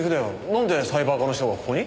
なんでサイバー課の人がここに？